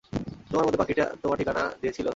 তোমার বন্ধু পাখিটা তোমার ঠিকানা দিয়েছিল।